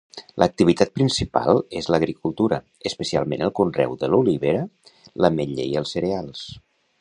L'activitat principal és l'agricultura, especialment el conreu de l'olivera, l'ametller i els cereals.